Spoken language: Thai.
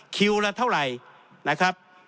คิวละเท่าไหร่